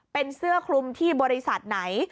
เป็นเสื้อคลุมที่บริษัทไหน